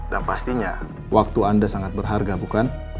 dan pastinya waktu anda sangat berharga bukan